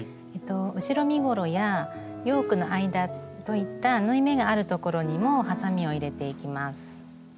後ろ身ごろやヨークの間といった縫い目がある所にもはさみを入れていきます。